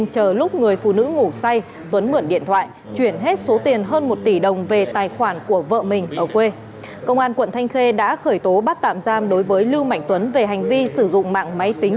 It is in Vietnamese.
công an quận thanh khê đã khởi tố bắt tạm giam đối với lưu mạnh tuấn về hành vi sử dụng mạng máy tính